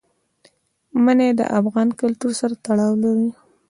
منی د افغان کلتور سره تړاو لري.